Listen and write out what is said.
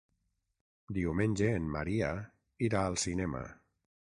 Diumenge en Maria irà al cinema.